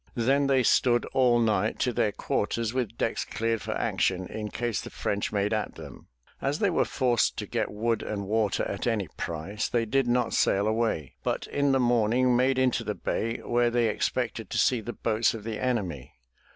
Then they stood all night to their quarters with decks cleared for action in case the French made at them. As they were forced to get wood and water at any price, they did not sail away, but in the morning made into the bay where they expected to see the boats of the enemy.